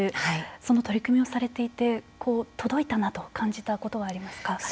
その取り組みをされていて届いたなと感じたことはありますか。